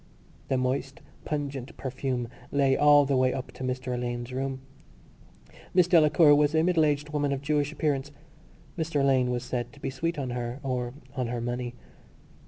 The moist pungent perfume lay all the way up to Mr Alleyne's room. Miss Delacour was a middle aged woman of Jewish appearance. Mr Alleyne was said to be sweet on her or on her money.